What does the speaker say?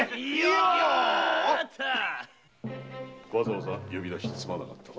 わざわざ呼び出してすまなかったな。